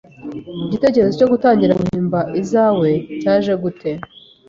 igitekerezo cyo gutangira guhimba izawe cyaje gute?